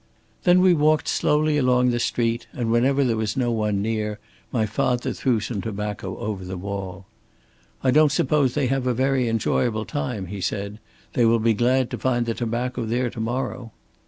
"Then we walked slowly along the street, and whenever there was no one near, my father threw some tobacco over the wall. 'I don't suppose they have a very enjoyable time,' he said. 'They will be glad to find the tobacco there to morrow.'